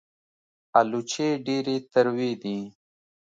الوچې ډېرې تروې دي